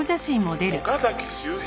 「岡崎周平。